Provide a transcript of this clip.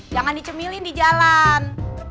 jangan dicemilin di jalan